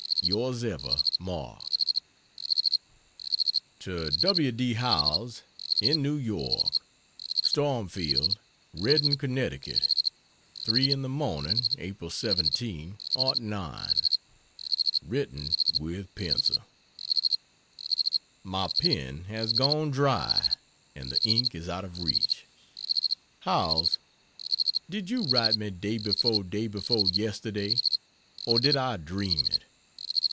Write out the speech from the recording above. Yrs ever, MARK To W. D. Howells, in New York: STORMFIELD, REDDING, CONNECTICUT, 3 in the morning, Apl. 17, '09. [Written with pencil]. My pen has gone dry and the ink is out of reach. Howells, Did you write me day before day before yesterday, or did I dream it?